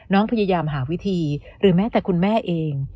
พยายามหาวิธีหรือแม้แต่คุณแม่เอง